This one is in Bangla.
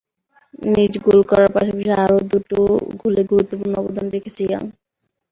নিজে গোল করার পাশাপাশি আরও দুটো গোলে গুরুত্বপূর্ণ অবদান রেখেছেন ইয়াং।